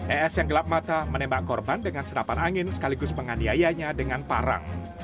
es yang gelap mata menembak korban dengan senapan angin sekaligus penganiayanya dengan parang